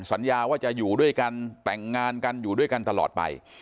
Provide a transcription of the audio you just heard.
สัญญาว่าจะอยู่ด้วยกันแต่งงานกันอยู่ด้วยกันตลอดไป